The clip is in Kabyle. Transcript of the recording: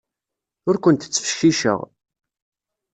Ur kent-ttfecciceɣ.